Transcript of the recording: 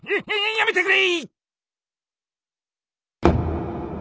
やめてくれ！